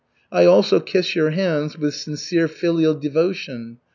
I also kiss your hands with sincere filial devotion.